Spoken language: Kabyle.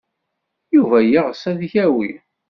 Yuba yeɣs ad t-yawi.